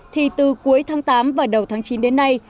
thì từ cuối tháng tám và đầu tháng chín đến nay